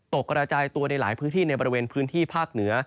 กระจายตัวในหลายพื้นที่ในบริเวณพื้นที่ภาคเหนือ